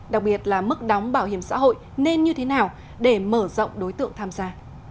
đặc biệt là mức đóng bảo hiểm xã hội nên như thế nào để mở rộng đối tượng tham gia